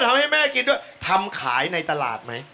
ทำให้แม่กินด้วยทำขายในตลาดไหม